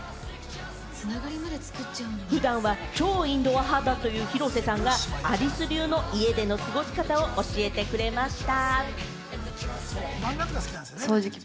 普段は超インドア派だという広瀬さんが、アリス流の家での過ごし方を教えてくれました。